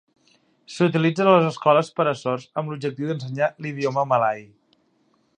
S'utilitza a les escoles per a sords amb l'objectiu d'ensenyar l'idioma malai.